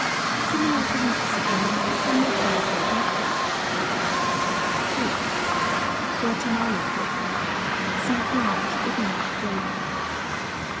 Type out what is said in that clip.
—Similar to the Mexican; somewhat darker in color. 3. Guatemala Cocoa.—Seeds large, with mild flavor.